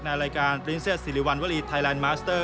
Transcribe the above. ในรายการปรินเซียสิริวัณวรีไทยแลนดมาสเตอร์